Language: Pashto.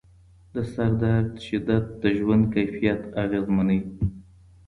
د سردرد شدت د ژوند کیفیت اغېزمنوي.